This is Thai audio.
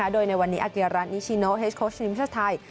โดยในวันนี้อาเกียรานิชิโนเฮสโค้ชทีมชาติไทย